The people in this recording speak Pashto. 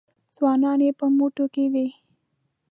ځوانان یې په موټي کې دي.